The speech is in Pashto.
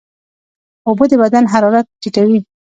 اوبه د بدن حرارت ټیټوي.